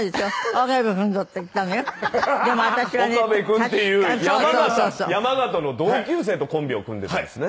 オカベ君っていう山形の同級生とコンビを組んでたんですね。